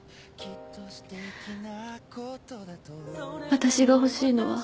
私が欲しいのは。